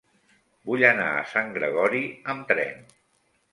Vull anar a Sant Gregori amb tren.